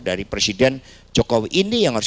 dari presiden jokowi ini